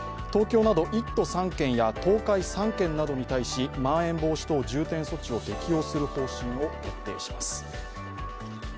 東京など１都３県や東海３県などに対しまん延防止等重点措置を適用する方針を決定します。